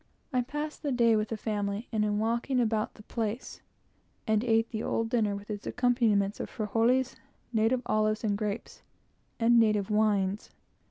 I passed the day with the family, and in walking about the place; and ate the old dinner with its accompaniments of frijoles, native olives and grapes, and native wines.